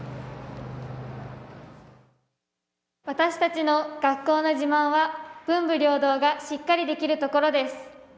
私たちの学校の自慢は文武両道がしっかりできるところです。